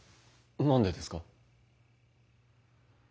何でですか？